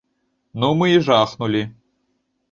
Ну, мы і жахнулі.